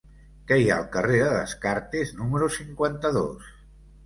Què hi ha al carrer de Descartes número cinquanta-dos?